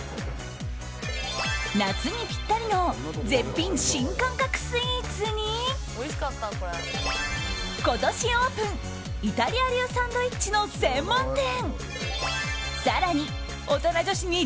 夏にピッタリの絶品新感覚スイーツに今年オープンイタリア流サンドイッチの専門店。